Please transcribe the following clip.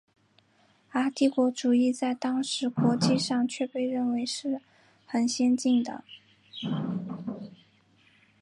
而帝国主义在当时国际上却被认为是很先进的。